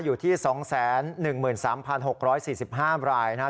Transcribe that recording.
อยู่ที่๒๑๓๖๔๕รายนะครับ